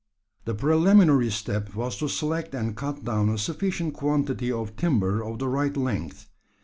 The preliminary step was to select and cut down a sufficient quantity of timber of the right length.